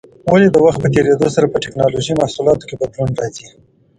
ولې د وخت په تېرېدو سره په ټېکنالوجۍ محصولاتو کې بدلون راځي؟